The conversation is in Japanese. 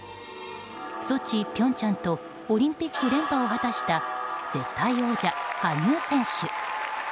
ソチ、平昌とオリンピック連覇を果たした絶対王者、羽生選手。